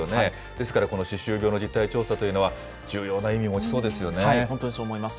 ですからこの歯周病の実態調査というのは、重要な意味持ちそうで本当にそう思います。